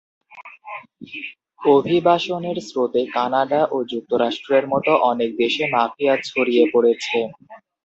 অভিবাসনের স্রোতে কানাডা ও যুক্তরাষ্ট্রের মতো অনেক দেশে মাফিয়া ছড়িয়ে পড়েছে।